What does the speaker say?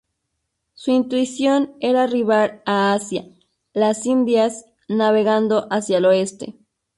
Su intención era arribar a Asia, las Indias, navegando hacia el oeste.